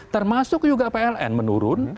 termasuk juga pln menurun